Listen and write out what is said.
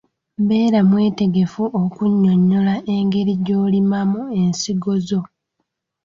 Beera mwetegefu okunyonnyola engeri gy’olimamu ensigo zo.